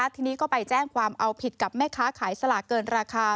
ทีนี้ก็ไปแจ้งความเอาผิดกับแม่ค้าขายสลากเกินราคา